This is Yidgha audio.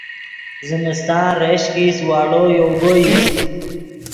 زمستان ریشک ایست واڑو یوگو ایست